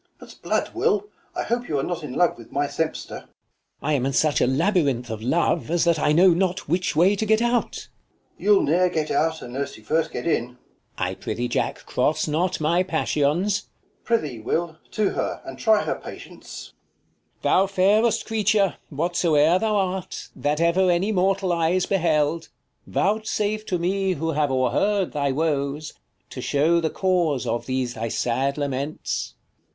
Mum. 'Sblood, Will, I hope you are not in love with my sempster. 45 King. I am in such a labyrinth of love, / As that I know not which way to get out. / Mum. You'll ne'er get out, unless you first get in. King. I prithee, Jack, cross not my passions. Mum. Prithee, Will, to her, and try her patience. 50 King. Thou fairest creature, whatsoe'er thou art, That ever any mortal eyes beheld, Vouchsafe to me, who have o'erheard thy woes, To shew the cause of these thy sad laments.